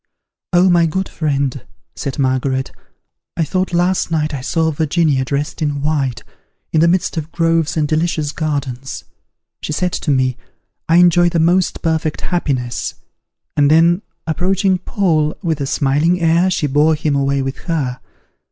"O my good friend," said Margaret, "I thought last night I saw Virginia, dressed in white, in the midst of groves and delicious gardens. She said to me, 'I enjoy the most perfect happiness:' and then approaching Paul with a smiling air, she bore him away with her.